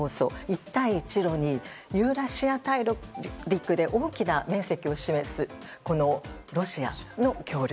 一帯一路にユーラシア大陸で大きな面積を占めるロシアの協力